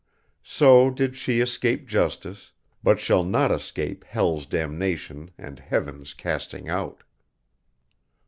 So did she escape Justice, but shall not escape Hell's Damnation and Heaven's casting out."